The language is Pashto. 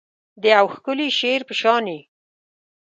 د یو ښکلي شعر په شاني